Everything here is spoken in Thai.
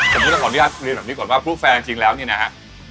ผมจะขออนุญาตคุณเรียนแบบนี้ก่อนว่าผู้แฟร์จริงแล้วเนี่ยนะฮะ